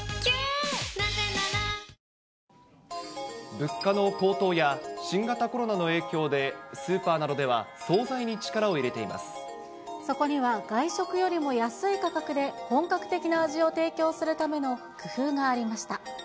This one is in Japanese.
物価の高騰や新型コロナの影響で、スーパーなどでは、そこには外食よりも安い価格で、本格的な味を提供するための工夫がありました。